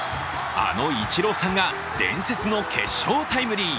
あのイチローさんが伝説の決勝タイムリー。